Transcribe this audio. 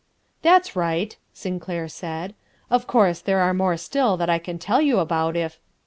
"That's right," Sinclair said. "Of course, there are more still that I can tell you about if...."